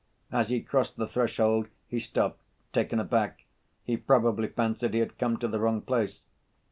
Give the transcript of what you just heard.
As he crossed the threshold he stopped, taken aback; he probably fancied he had come to the wrong place.